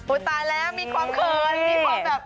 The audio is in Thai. ตายแล้วมีความเขินมีความแบบ